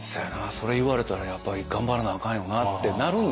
それ言われたらやっぱり頑張らなあかんよなってなるんですよ。